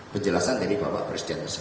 penjelasan dari bapak presiden